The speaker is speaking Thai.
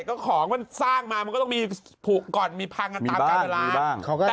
ก็ของมันสร้างมามันก็ต้องมีผูกก่อนมีพังกันตามการเวลา